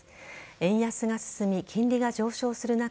円安が進み、金利が上昇する中